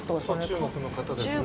中国の方ですね。